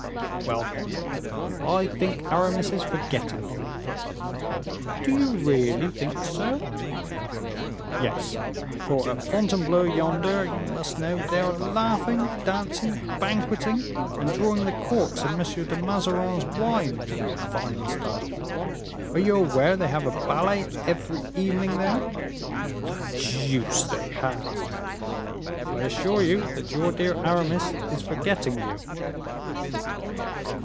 "Well, then, I think Aramis is forgetting you." "Do you really think so?" "Yes; for at Fontainebleau yonder, you must know, they are laughing, dancing, banqueting, and drawing the corks of M. de Mazarin's wine in fine style. Are you aware that they have a ballet every evening there?" "The deuce they have!" "I assure you that your dear Aramis is forgetting you."